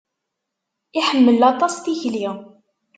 Iḥemmel aṭas tikli.